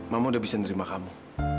mama udah bisa nerima kamu